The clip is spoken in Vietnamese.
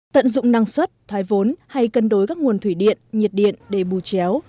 tận dụng năng suất thoái vốn hay cân đối các nguồn thủy điện nhiệt điện để bù chéo